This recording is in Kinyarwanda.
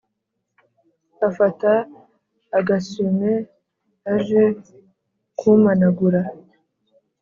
Afata agasuime aje kumanagura